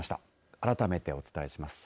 改めてお伝えします。